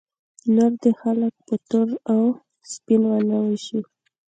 نور دې خلک په تور او سپین ونه ویشي.